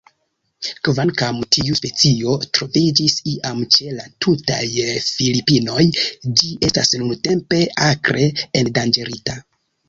Kvankam tiu specio troviĝis iam ĉe la tutaj Filipinoj, ĝi estas nuntempe akre endanĝerita.